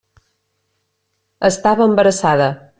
Estava embarassada.